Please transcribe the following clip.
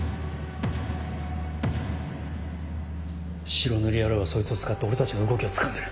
白塗り野郎はそいつを使って俺たちの動きをつかんでる。